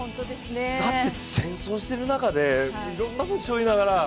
だって戦争してる中でいろんなもん背負いながら。